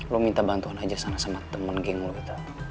lo minta bantuan aja sana sama temen geng lo kita